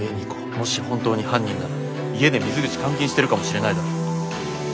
もし本当に犯人なら家で水口監禁してるかもしれないだろ。